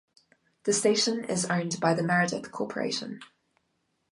The station is owned by the Meredith Corporation.